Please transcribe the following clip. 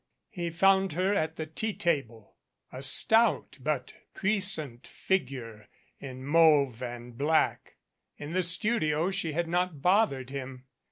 He found her at the tea table, a stout but puissant figure in mauve and black. In the studio she had not bothered him.